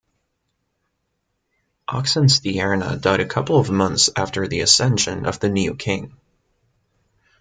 Oxenstierna died a couple of months after the ascension of the new king.